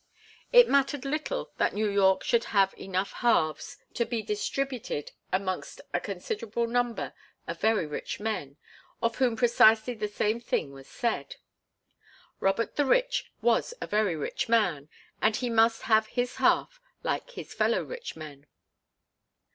It mattered little that New York should have enough halves to be distributed amongst a considerable number of very rich men, of whom precisely the same thing was said. Robert the Rich was a very rich man, and he must have his half like his fellow rich men.